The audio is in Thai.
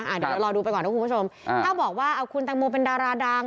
อ่าเดี๋ยวเราดูไปก่อนทุกคุณผู้ชมอ่าถ้าบอกว่าอ่าคุณแตงโมเป็นดาราดัง